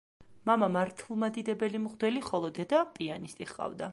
მამა მართლმადიდებელი მღვდელი, ხოლო დედა პიანისტი ჰყავდა.